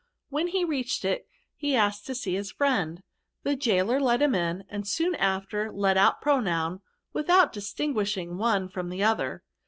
When he reached it, he asked leave to see his friend. The gaoler let him in; and soon after, let out Prononn, without distingmshing the one from the od^r.